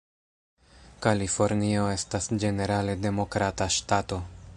Kalifornio estas ĝenerale Demokrata ŝtato.